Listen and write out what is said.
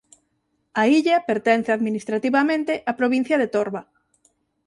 A illa pertence administrativamente á provincia de Torba.